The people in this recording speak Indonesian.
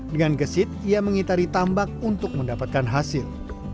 dengan gesit ia mengitari tambak untuk mendapatkan hasil